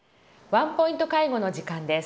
「ワンポイント介護」の時間です。